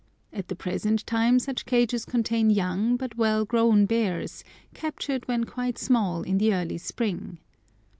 At the present time such cages contain young but well grown bears, captured when quite small in the early spring.